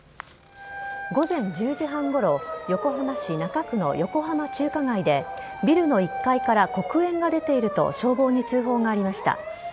午前１０時半ごろ横浜市中区の横浜中華街でビルの１階から黒煙が出ていると消防に通報がありました。